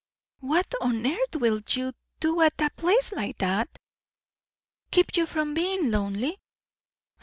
"What on earth will you do at a place like that?" "Keep you from being lonely."